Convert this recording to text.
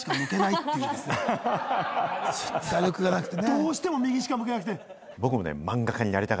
どうしても右しか向けなくて。